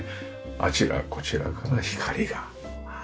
あちらこちらから光が。